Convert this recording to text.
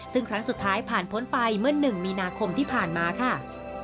ซึ่งครั้งสุดท้ายผ่านพ้นไปเมื่อ๑มีนาคมที่ผ่านมาค่ะ